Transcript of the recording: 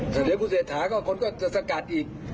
แต่เดี๋ยวคุณเศรษฐาก็คนก็จะสกัดอีก